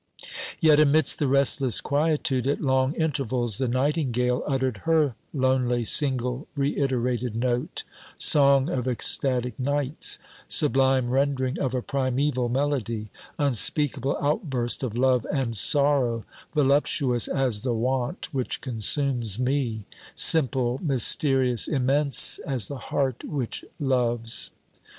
Yet, amidst the restless quietude, at long intervals, the nightingale uttered her lonely, single, reiterated note, song of ecstatic nights ; sublime rendering of a primeval melody ', unspeakable outburst of love and sorrow ; voluptuous as the want which consumes me ; simple, mysterious, immense as the heart which loves.